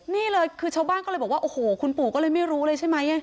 นี่เลยคือชาวบ้านก็เลยบอกว่าโอ้โหคุณปู่ก็เลยไม่รู้เลยใช่ไหม